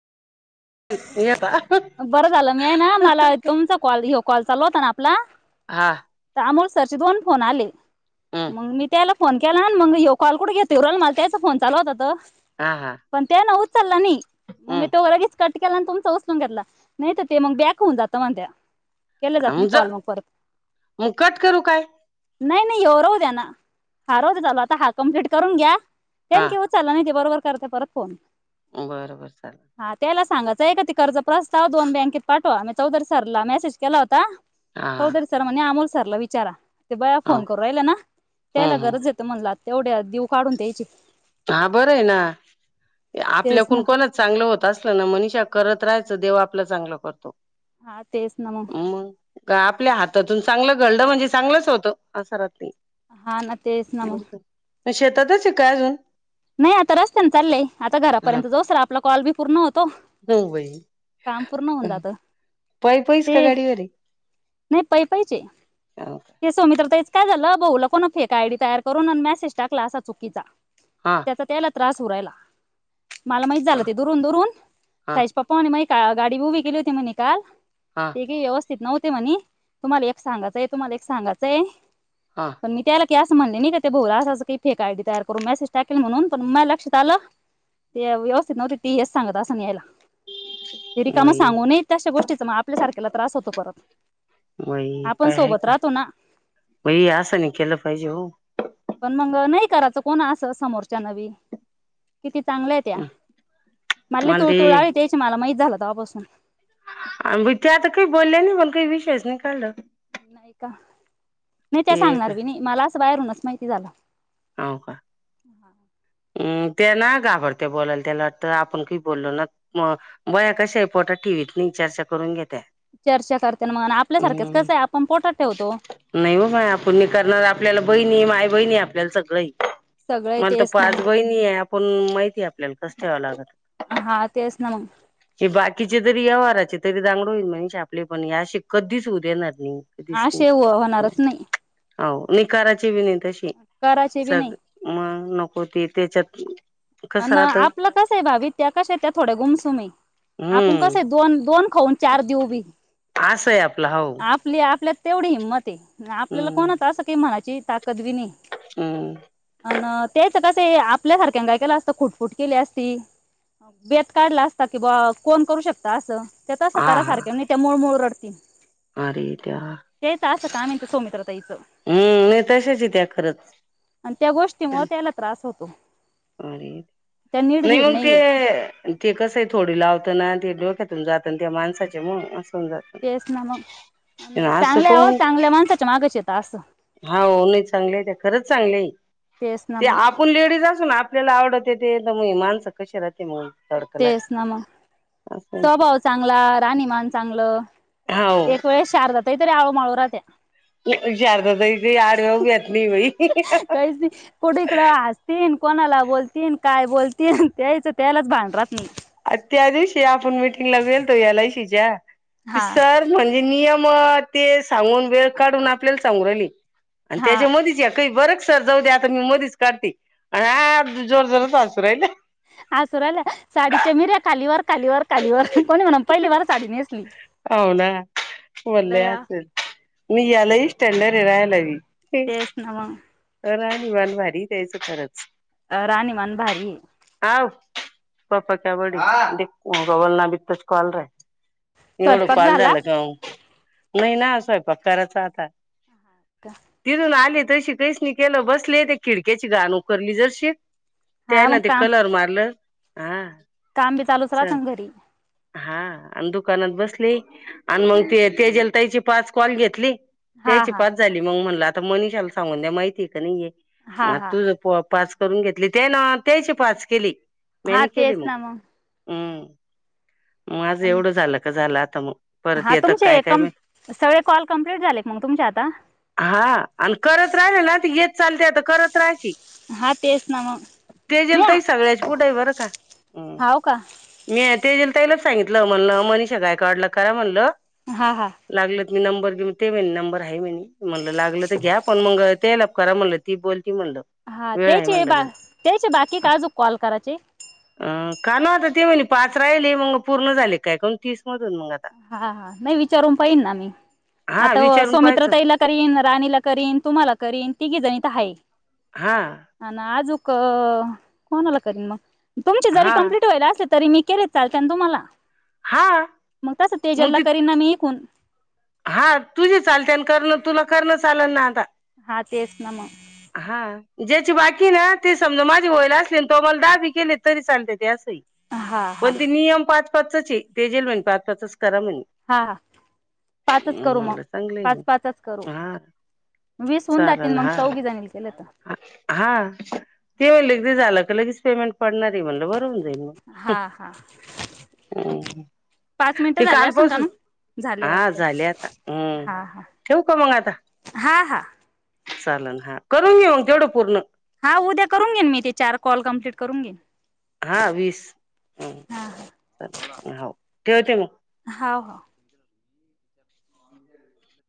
येता बरं झालं. मी आहे ना, मला तुमचा कॉल, ह्यो कॉल चालू होता ना आपला हा. तर अमोल सरचे दोन फोन आले, हम्म मग मी त्याला फोन केला ना मग, ह्यो कॉल कुठ घेता येऊ राहिला मला? त्याचा फोन चालू होता तर. हां हां. पण त्यांनी उचला नही. मग मी तवा लगेच कट केलान, तुमचा उचलून घेतला. नाही तर ते मग बॅक होऊन जातं म्हणत्या. केला जात नाही कॉल मग परत. मग कट करू काय [inaudible] नाही नाही, ह्यो राहू दया ना. हा राहुदया चालू आता. हा कमप्लीट करून घ्या. हा थँक्यू उचला नाही ते बरोबर करता परत फोन. बर बर चालल हा त्याला सांगायचा की, ते कर्ज प्रस्ताव दोन बँकेत पाठवा. मी चौधरी सरला मेसेज केला होता. हा चौधरी हा सर म्हणे अमोल सरला विचारा. ते बया हो फोन करू राहिला ना, त्यायला हम्म हम्म गरज ये म्हणला आता तेवढ्या दिउ काढून त्यांचे हा बरं ये ना. तेच आपल्याकून ना कोणाच चांगलं होत असलं ना, मनिषा करत राहायचं. देव आपलं चांगलं करतो. हा तेच ना मग. का आपल्या हातातून चांगलं घडलं म्हणजे चांगलंच होतं. असं राहत ते. हा ना तेच ना मग. शेतातच आहे काय अजून? नाही आता रस्त्यानं चाललेय. आता हा घरापर्यंत जाऊसत आपला कॉल बी पूर्ण होतो. हो बाई [inaudible] काम पूर्ण होऊन जात. पायी [inaudible] पायीच का हम्म, गाडीवर आहे नाही पायी पायीचे. - ते सुमित्राताईच काय झालं? बहूला कोण फेक आयडी तयार करून मेसेज टाकला असा चुकीचा. हा. तो त्यांनला त्रास होऊ राहिला. माला माहित हा झालं ते दुरून, दूरून. हा साईचे पप्पा म्हणे गाडी उभी केली होती म्हणे काल. हा. ती काय व्यवस्थित नव्हती म्हणे. तुम्हाला एक सांगायचंय, तुम्हाला एक सांगायचंय. हां. मी त्यांना की असं म्हणली नाही का, ते भाऊ असं असं काही फेक आयडी तयार करून मॅसेज टाकेल म्हणून. पण म्या लक्षात आलं ते व्यवस्थित नव्हती, ती हेच सांगत असंन यायला. रिकाम मई सांगू नाही. तशा गोष्टीचा मग आपल्यासारख्याला त्रास होतो परत. आपण सोबत राहतो ना. हे असं नाही केलं पाहिजे हो. पण मग नाही करायचं कोण असं, समोरच्या न बी. किती चांगल्याय त्या. माल मला तूळ ते तुळलाय त्याची मला माहीत झालं तवपासून. विचारलं तर काही बोलले नाही म्हणून काही विषयच नाही काढला. नाही का, नाही त्या ते सांगणार बी नाही मला असं बाहेरूनच माहिती झालं. हा. हं त्या ना घाबरत्या बोलायला त्याला वाटतं आपण काही बोललो ना म बोया कशी आहे पोटात ठिवीत नाही चर्चा करून घेत्या. चर्चा करते ना म्हण आपल्यासारख्याचं हम्म कसं आहे आपण पोटात ठेवतो. नाही हो बाय आपण नाही करणार, आपल्याला बहिणी, माय -बहिणी आपल्याला सगळंही सगळे मला तर तेच ना पाच मग बहिणी आहे आपण माहितीय आपल्याला कसं ठेवा लागत. तेच ना मग. हे बाकीचे तरी या वाराचे तरी दांगडू होईल, म्हण छापले पण याशी कधीच होउ देणार नाही. कधीच नाही, असे होणारच नाही हो नाही कराची बी नाही तशी. कराची बी नाही. सग मग नको ते त्याच्यात. अ कसं राहत आपलं कसं आहे भाभी त्या कशा आहे त्या थोड्या गुमसुम हे आपण कसं आहे, हम्म दोन दोन खाऊन चार देऊ बी. आसं आहे आपला होऊ. आपली आपल्यात तेवढी हिंमत आहे, आपल्याला कोणाच असं काही म्हनाची ताकद बी नाही. हं... अन् तेच कसं हे आपल्या सारख्यानं काय केलास तर खुटफुट केली असती, बेत काढला असता कि बा कोण करू शकतं असं. त्या तसं हा करा सारख्या नाही, त्या मूळूमूळू रडतीनं.. आरे त्या. हे त असं का म्हाईतं सौमित्रा ताईचं. हं नाही तशाच ये त्या खरंच. आणि त्या गोष्टीमुळे त्याला त्रास होतो. अरे रे, त्या नाही नीडभीड मग ते. नाहीये ते कसं आहे, थोडी लावतं ते डोक्यातून जातं ना त्या माणसाच्यामुळं असं. होऊन जात तेच ना मग, नाही असं चांगल्या आहे वो चांगल्या माणसाच्या मागंच येत असं. हां, हो नाही चांगलंय ते खरंच चांगलं हे, तेच ना ते मग आपण लेडीज असून आ आपल्याला आवडंत ते मही माणसं कशी राहते मग. तेच तडकलाच ना मग असं स्वभाव चांगला, राहणीमान चांगलं, हो एक वेळेस शारदा ताई तरी आळूमाळू राहत्या. वि शारदताई भी आडव्या उभ्या आहेत बाई. तेच‌ नी कुठं इकडं हसतीन, कोणाला बोलतीन, काय बोलतीन, त्याचं त्यालाच भान राहत नाही. अगं त्या दिवशी आपण मीटिंगला गेलतो एल आय सीच्या ती हा सर म्हणजे नियम ते सांगून वेळ काढून आपल्याला सांगु राहिली आणि हा त्याच्यामधीच एक काही बर का सर जाऊ द्या, आता मी मधीच काढती आणि आगदी जोर -जोरात हासू राहिल्या. हासू राहिल्या साडीच्या मिर्या खालीवर, खालीवर, खालीवर कोणी म्हणनं पहिली बार साडी नेसली. हो ना बोलले लया असेल मी ते यालाही स्टँडरी ये राह्या लावी. तेच ना मंग. राहणीमान भारी आहे त्यांचं खरंच. अं राहणीमान भारी ये. आव पप्पा क्या बडी बोल ना बीच कॉल राहय. एवढं स्वयंपाक पाल झाला झालं का ओ, नाही ना स्वयंपाक करायचा आता. का तिथून आले तशी काहीच नाय केलं बसले ते खिडक्याची घाण उखरली जशी हा त्यायना मग ते काम कलर मारल हा. काम बी चालूच चल राहतन घरी. हा अन् दुकानात बसले, अन् मग ते तेजल ताईचे पाच कॉल घेतले. हा त्याचे हा पाच झाले मग म्हणलं आता मनीषाला सांगून द्या माहिती आय की हा नाहीये हा तुझं प पाच करून घेतली त्या ना त्याचे पाच केली म्या हा नाय केले तेच मग. ना हम्म, माझं मग एवढं झालं का झालं आता म. हा तुमचे कम सगळे कॉल कम्प्लीट झाले मग तुमचे आता? हा अन् करत राहिल ना ती येत चालते आता करत राहायची. हा तेच ना मग तेजल नाही ताई सगळ्याच्या पुढें आय बरं का हम्म. हाव का म्या तेजल ताईलाच सांगितलं म्हणलं मनीषा गायकवाडला करा म्हणलं. हां हां. लागलं त मी नंबर घेऊ, ते म्हणी नंबर हाय म्हणी म्हणलं लागलं तर घ्या पण मंग त्यायला करा म्हणलं ती बोलती म्हणलं. हा वेळ आहे त्याचे म्हणलं बा गण त्याचे बाकी आजूक कॉल करायचे? अ का न्हवत ती म्हणी पाच राहिले मग पूर्ण झाले काय काऊण तीस मधून मग आ हा हा नाय विचारून पाहिन ना मी हा आता विचारून सौमित्र पाहायचं ताईला करीन राणीला करीन तुम्हाला करीन तिघी जनी त हाय. हां. हा ना आजुक कोणाला करीन मग, तुमचे जरी हा कम्प्लिट व्हायला असले तरी मी केले चालत्यानं तुमाला? हा. म तसं तेजल मग ला ती करीना मी ईकून. हा तुझी चालत्यानं करल तुला करणं चालन ना आता. हा तेच ना म. हा. ज्याची बाकी आय ना ते समजा माझे व्हयला असली आणि त्यो मला दाबी केले तरी चालते ते असं ए. हा हा पण ते नियम पाच पाचचा ए तेजल म्हणे पाच पाचच करा म्हणे. हा हा, पाचच करू मग म्हणलं चांगलं आहे पाच मग पाचच करू. हा वीस होऊन जातीन चालन मग हा चौघी जनीला केलं त. हा, ते म्हणले का ते झालं का लगेच पेमेंट पडणार आय म्हणलं बरं होऊन जाईल मग. हा हा. [inaudible] पाच मिनिट ते झाले असन कालपासून कानू. हा झाले आता, हम्म हा ठेव का मंग आता? हा हा चालन हा, करून घेऊ मग तेवढं पूर्ण. हा उद्या करून घेईन मी ते चार कॉल कम्प्लीट करून घेन. हा वीस हम्म हा हा चल हो ठेवते मग. हा हा.